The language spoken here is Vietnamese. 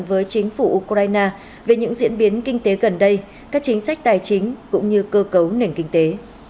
với chính phủ ukraine về những diễn biến kinh tế gần đây các chính sách tài chính cũng như cơ cấu nền kinh tế